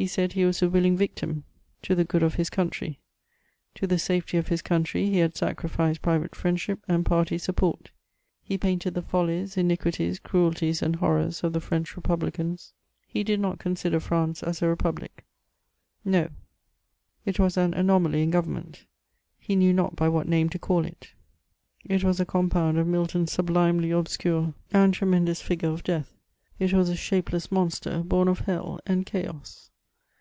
He said he was a willing victim to the good of his 442 MEMOIRS OF conntiy. To the safety of haa eoaniry, he had saciifieed private finendahip and party siipport. He painted the f<^e8, iniquities^ emdtiea, and horran c^ the Fxench lepubEcaiUL He did not oonflider Fiance as a republic; no; it was an anomaly in gOTem ment. He knew not by idiat name to call it. It was a com pound of Milton's suUimely obacote and tzemendooB figuze of Death. It was a shapdeas monster, bom of hell and chaos